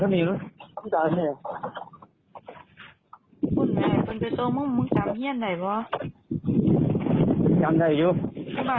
มึงจะยังไปจังหน่อยมึงจะยังไปจ้างสันหมด